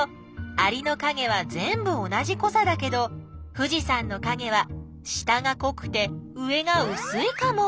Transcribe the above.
アリのかげはぜんぶ同じこさだけど富士山のかげは下がこくて上がうすいかも。